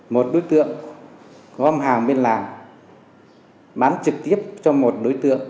một đối tượng gom hàng bên làng bán trực tiếp cho một đối tượng